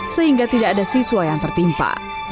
sehingga tidak ada siswa yang tertimpa